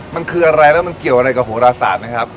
มันคืออะไรแล้วมันเกี่ยวอะไรกับโหรศาสตร์ไหมครับ